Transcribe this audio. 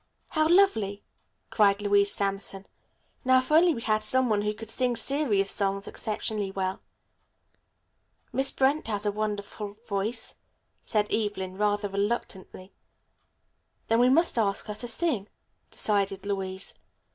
"How lovely!" cried Louise Sampson. "Now if only we had some one who could sing serious songs exceptionally well." "Miss Brent has a wonderful voice," said Evelyn rather reluctantly. "Then we must ask her to sing," decided Louise.